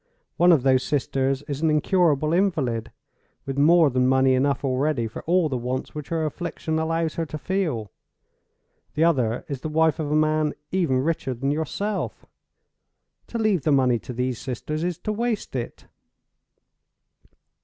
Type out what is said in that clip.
One of those sisters is an incurable invalid, with more than money enough already for all the wants which her affliction allows her to feel. The other is the wife of a man even richer than yourself. To leave the money to these sisters is to waste it.